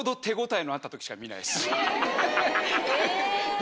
え！